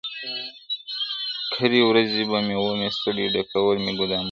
کرۍ ورځ به ومه ستړی ډکول مي ګودامونه-